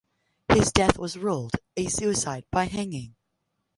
His death was ruled a suicide by hanging.